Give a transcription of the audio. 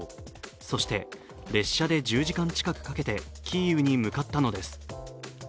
そして列車で１０時間近くかけてキーウに向かったのです。